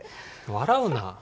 笑うな。